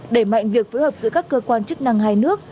đẩy mạnh việc phối hợp giữa các cơ quan chức năng hai nước